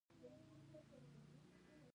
د زمانشاه په جنګ روانیږي.